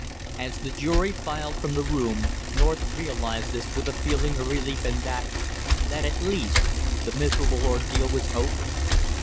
As the jury filed from the room North realized this with a feeling of relief in that that at last the miserable ordeal was over.